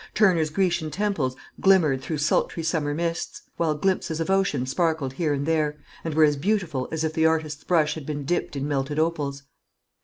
Turner's Grecian temples glimmered through sultry summer mists; while glimpses of ocean sparkled here and there, and were as beautiful as if the artist's brush had been dipped in melted opals.